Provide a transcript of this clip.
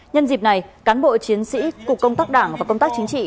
nhân dịp này cán bộ chiến sĩ cục công tác đảng và công tác chính trị